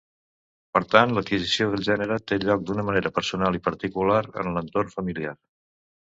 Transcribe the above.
Per tant, l'adquisició del gènere té lloc d'una manera personal i particular en l'entorn familiar.